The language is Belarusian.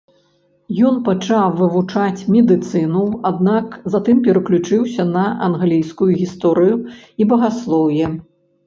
Ён пачаў вывучаць медыцыну, аднак затым пераключыўся на англійскую гісторыю і багаслоўе.